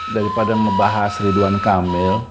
daripada ngebahas ridwan kamil